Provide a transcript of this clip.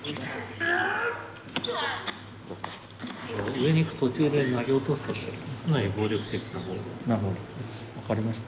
上に行く途中で投げ落とすとかかなり分かりました。